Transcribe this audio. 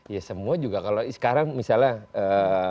ya semua juga kalau sekarang misalnya memaksa untuk